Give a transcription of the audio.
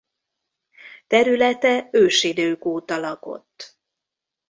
Területe ősidők óta lakott.